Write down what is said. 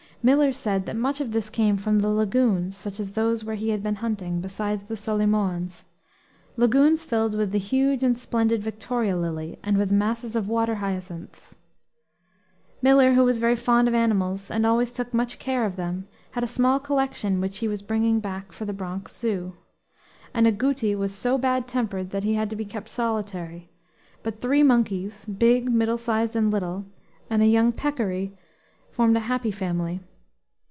Miller said that much of this came from the lagoons such as those where he had been hunting, beside the Solimoens lagoons filled with the huge and splendid Victoria lily, and with masses of water hyacinths. Miller, who was very fond of animals and always took much care of them, had a small collection which he was bringing back for the Bronx Zoo. An agouti was so bad tempered that he had to be kept solitary; but three monkeys, big, middle sized, and little, and a young peccary formed a happy family.